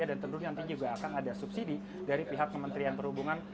dan tentunya nanti juga akan ada subsidi dari pihak kementerian perhubungan